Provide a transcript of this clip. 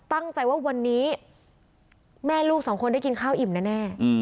ตั้งใจว่าวันนี้แม่ลูกสองคนได้กินข้าวอิ่มแน่